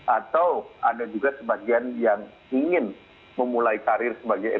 atau ada juga sebagian yang ingin memulai karir